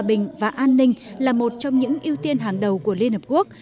hòa bình và an ninh là một trong những ưu tiên hàng đầu của liên hợp quốc